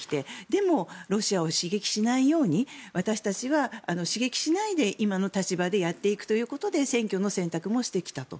でもロシアを刺激しないように私たちは刺激しないで今の立場でやっていくということで選挙の選択もしてきたと。